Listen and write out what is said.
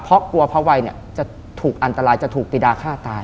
เพราะกลัวพระวัยเนี่ยจะถูกอันตรายจะถูกปีดาฆ่าตาย